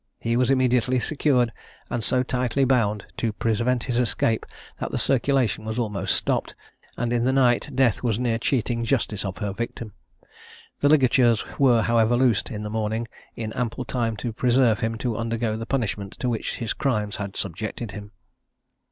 He was immediately secured, and so tightly bound to prevent his escape, that the circulation was almost stopped, and in the night death was near cheating Justice of her victim. The ligatures were, however, loosed in the morning, in ample time to preserve him to undergo the punishment to which his crimes had subjected him.